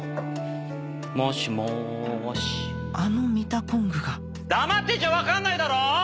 もしもしあのミタコングが黙ってちゃ分かんないだろ！